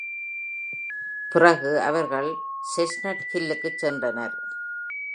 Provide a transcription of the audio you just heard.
பிறகு அவர்கள் செஸ்ட்நட்ஹில்லுக்குச் சென்றனர்.